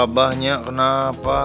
ah banyak kenapa